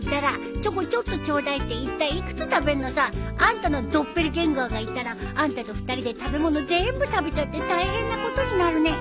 チョコちょっとちょうだいっていったい幾つ食べんのさ？あんたのドッペルゲンガーがいたらあんたと２人で食べ物全部食べちゃって大変なことになるね。